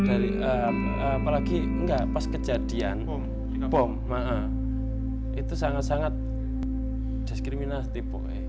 apalagi pas kejadian bom itu sangat sangat diskriminasi